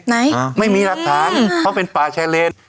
ไหนอ่าไม่มีหลักฐานเพราะเป็นป่าชายเลน